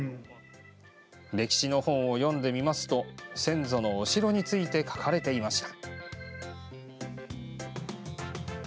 歴史の本を読んでみると先祖のお城について書かれていました。